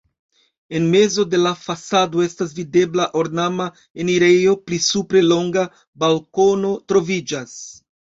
En mezo de la fasado estas videbla ornama enirejo, pli supre longa balkono troviĝas.